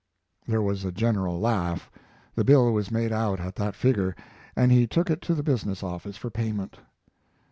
There was a general laugh. The bill was made out at that figure, and he took it to the business office for payment.